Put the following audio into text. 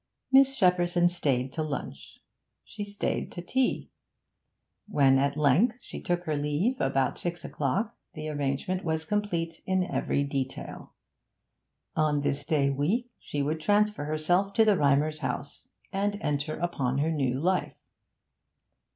Miss Shepperson stayed to lunch. She stayed to tea. When at length she took her leave, about six o'clock, the arrangement was complete in every detail. On this day week she would transfer herself to the Rymers' house, and enter upon her new life.